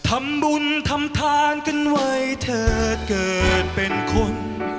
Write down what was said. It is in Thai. ทำบุญทำทานกันไว้เธอเกิดเป็นคน